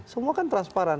semua kan transparan